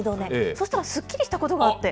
そしたら、すっきりしたことがあって。